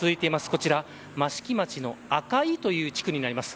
こちら益城町の赤井という地区になります。